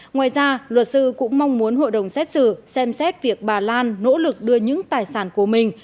ngoài ra luật sư cũng mong muốn hội đồng xét xử xem xét việc bà lan nỗ lực đưa những tài sản của mình